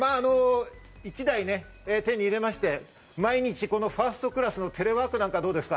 １台手に入れまして、毎日ファーストクラスのテレワークなんかどうですか？